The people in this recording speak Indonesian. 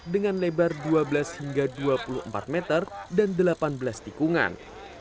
dengan lebar dua belas hingga dua puluh empat meter dan delapan belas tikungan